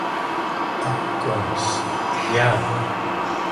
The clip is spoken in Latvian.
Ak kungs, jā!